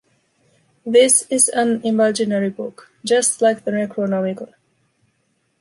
This is an imaginary book, just like the Necronomicon.